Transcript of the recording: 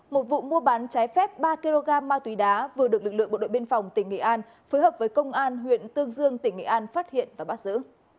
một vụ mua bán trái phép ba kg ma túy đá vừa được lực lượng bộ đội biên phòng tỉnh nghệ an phối hợp với công an huyện tương dương tỉnh nghệ an phát hiện và bắt giữ